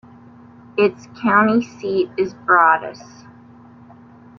Its county seat is Broadus.